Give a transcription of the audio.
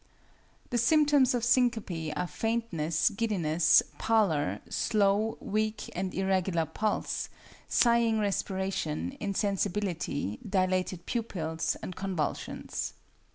The symptoms of syncope are faintness, giddiness, pallor, slow, weak, and irregular pulse, sighing respiration, insensibility, dilated pupils, and convulsions.